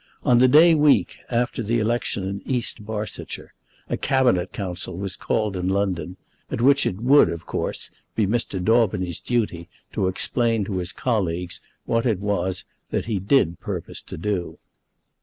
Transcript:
On the day week after the election in East Barsetshire, a Cabinet Council was called in London, at which it would, of course, be Mr. Daubeny's duty to explain to his colleagues what it was that he did purpose to do.